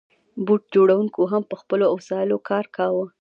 بوټ جوړونکو هم په خپلو وسایلو کار کاوه.